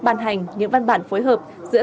ban hành những văn bản phối hợp giữa